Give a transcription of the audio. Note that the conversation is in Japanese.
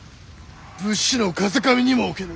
武士の風上にも置けぬ。